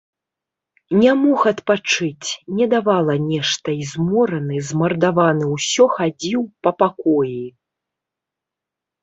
Не мог адпачыць, не давала нешта, і змораны, змардаваны ўсё хадзіў па пакоі.